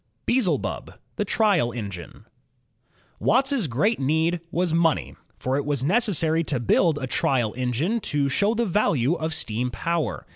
Beelzebub, the Trial Engine Watt's great need was money, for it was necessary to build a trial engine to show the value of steam power.